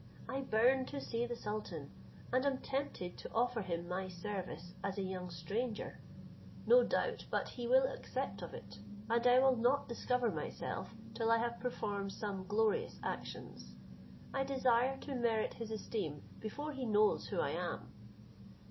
I burn to see the sultan, and am tempted to offer him my service, as a young stranger: no doubt but he will accept of it, and I will not discover myself, till I have performed some glorious actions: I desire to merit his esteem before he knows who I am."